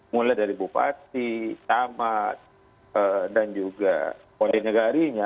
mulai dari bupati tamat dan juga pondi negarinya